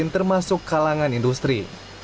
termasuk kalangan industri